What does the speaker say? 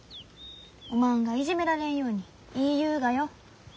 おまんがいじめられんように言いゆうがよ。